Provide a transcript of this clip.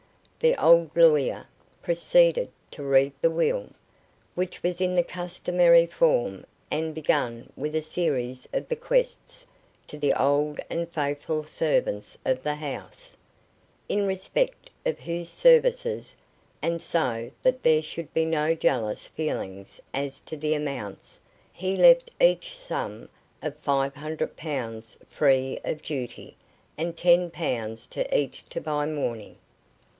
the old lawyer proceeded to read the will, which was in the customary form, and began with a series of bequests to the old and faithful servants of the house, in respect of whose services, and so that there should be no jealous feeling as to amounts, he left each the sum of five hundred pounds free of duty, and ten pounds to each to buy mourning.